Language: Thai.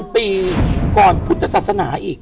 ปีก่อนพุทธศาสนาอีก